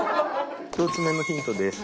１つ目のヒントです。